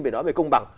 về nói về công bằng